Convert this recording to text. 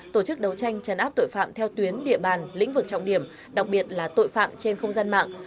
tổ chức đấu tranh chấn áp tội phạm theo tuyến địa bàn lĩnh vực trọng điểm đặc biệt là tội phạm trên không gian mạng